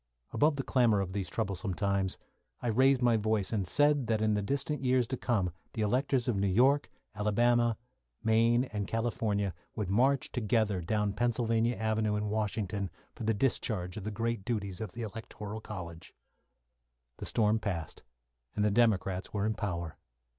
Above the clamour of these troublesome times, I raised my voice and said that in the distant years to come the electors of New York, Alabama, and Maine, and California, would march together down Pennsylvania Avenue in Washington for the discharge of the great duties of the Electoral College. The storm passed, and the Democrats were in power.